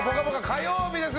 火曜日です。